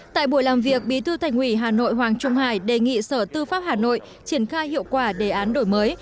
tại buổi làm việc bí thư thành ủy hà nội hoàng trung hải đề nghị sở tư pháp hà nội triển khai hiệu quả đề án đổi mới